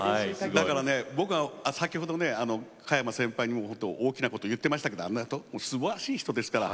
だからね僕は先ほどね加山先輩にもほんと大きなことを言ってましたけどすばらしい人ですから。